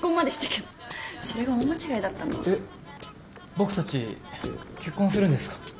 僕たち結婚するんですか？